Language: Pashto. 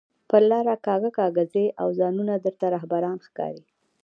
پر لار کاږه کاږه ځئ او ځانونه درته رهبران ښکاري